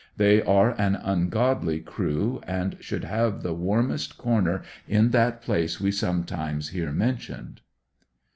They are an ungodly crew, and should have the warmest corner in that place we sometimes hear mentioned.